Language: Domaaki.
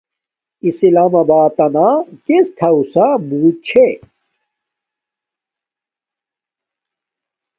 اسلام آباتنا گسٹ ھاوسا بوت چھے